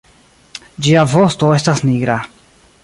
Ĝia vosto estas nigra.